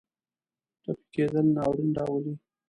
ټپي کېدل ناورین راولي.